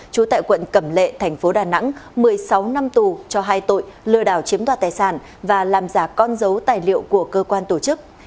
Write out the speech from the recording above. trú tại quận cẩm lệ thành phố đà nẵng một mươi sáu năm tù cho hai tội lừa đảo chiếm đoạt tài sản và làm giả con dấu tài liệu của cơ quan tổ chức